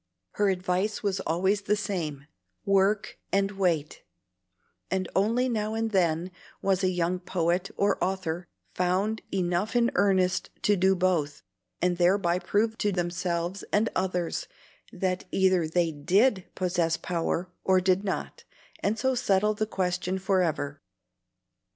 Her advice was always the same, "Work and wait;" and only now and then was a young poet or author found enough in earnest to do both, and thereby prove to themselves and others that either they DID possess power, or did not, and so settle the question forever.